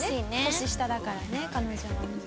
年下だからね彼女の方が。